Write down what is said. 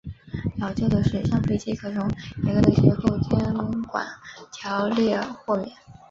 老旧的水上飞机可从严格的结构监管条例豁免。